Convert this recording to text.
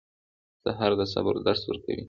سهار د صبر درس ورکوي.